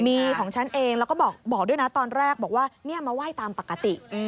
มีของฉันเองแล้วก็บอกด้วยนะตอนแรกบอกว่าเนี่ยมาไหว้ตามปกติ